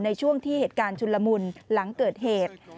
ในช่วงที่เหตุการณ์ชุนละมุนหลังเกิดเหตุ